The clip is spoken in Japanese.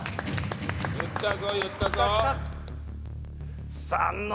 言ったぞ言ったぞ！